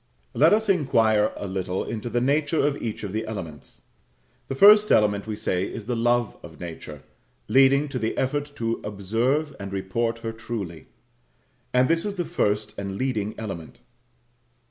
Let us inquire a little into the nature of each of the elements. The first element, we say, is the love of Nature, leading to the effort to observe and report her truly. And this is the first and leading element.